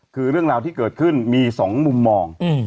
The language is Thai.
คือเรื่องราวที่เกิดขึ้นมี๒มุมมอง